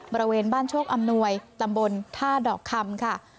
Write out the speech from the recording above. บริเวณบ้านโชคอำนวยตำบลท่าดอกคำค่ะ